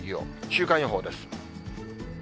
週間予報です。